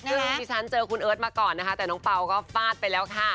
ซึ่งดิฉันเจอคุณเอิร์ทมาก่อนนะคะแต่น้องเปล่าก็ฟาดไปแล้วค่ะ